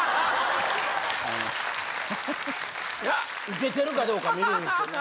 ウケてるかどうか見るんですよね。